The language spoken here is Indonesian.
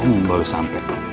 om baru sampe